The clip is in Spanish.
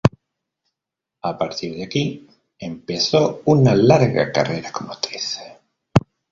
A partir de aquí, empezó una larga carrera como actriz.